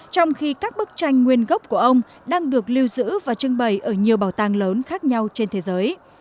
trong khi các bức tranh nguyên gốc của ông đang được lưu giữ và trưng bày ở nhiều bảo tàng lớn khác nhau trên thế giới